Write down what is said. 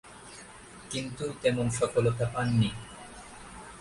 কিন্তু তেমন সফলতা পাননি।